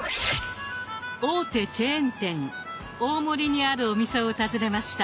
大手チェーン店大森にあるお店を訪ねました。